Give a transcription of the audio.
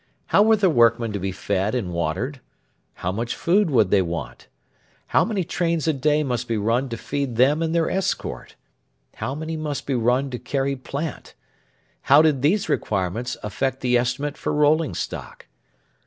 How were the workmen to be fed and watered? How much food would they want? How many trains a day must be run to feed them and their escort? How many must be run to carry plant? How did these requirements affect the estimate for rolling stock?